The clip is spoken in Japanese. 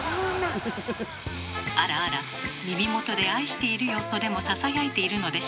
あらあら耳元で「愛してるよ」とでもささやいているのでしょうか